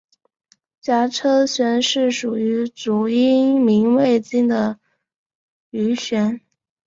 颊车穴是属于足阳明胃经的腧穴。